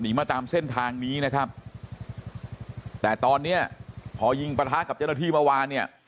มาตามเส้นทางนี้นะครับแต่ตอนเนี้ยพอยิงประทะกับเจ้าหน้าที่เมื่อวานเนี่ย